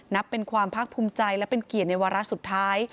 นับเป็นความภาคภูมิใจและเป็นเกียรติในวาระสุดท้าย